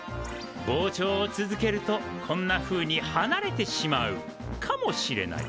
膨張を続けるとこんなふうにはなれてしまうかもしれない。